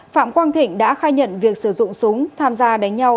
phạm quang thịnh đã khai nhận việc sử dụng súng tham gia đánh nhau